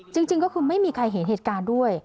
จริงก็คือไม่มีใครเห็นเหตุการณ์ด้วย